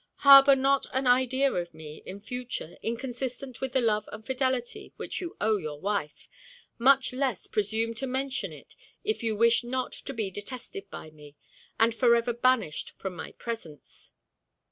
Harbor not an idea of me, in future, inconsistent with the love and fidelity which you owe your wife; much less presume to mention it, if you wish not to be detested by me, and forever banished from my presence."